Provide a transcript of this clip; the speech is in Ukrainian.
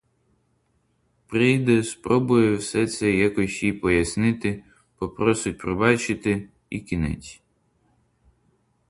Прийде, спробує все це якось їй пояснити, попросить пробачити — і кінець.